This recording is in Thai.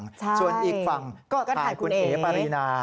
ใช่ก็ถ่ายคุณเอ๋ส่วนอีกฝั่งถ่ายคุณเอ๋ปรีนา